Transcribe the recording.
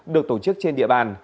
được tổ chức trên địa bàn